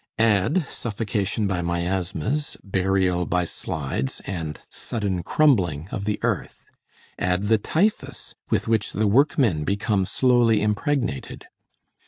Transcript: Add suffocation by miasmas, burial by slides, and sudden crumbling of the earth. Add the typhus, with which the workmen become slowly impregnated.